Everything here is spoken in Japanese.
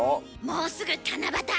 もうすぐ七夕！